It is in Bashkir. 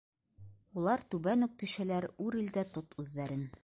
Улар түбән үк төшәләр - үрел дә тот үҙҙәрен!